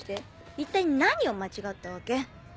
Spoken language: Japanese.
一体何を間違ったわけ？